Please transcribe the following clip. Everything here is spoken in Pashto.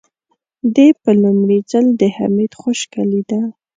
دې په لومړي ځل د حميد خشکه لېده.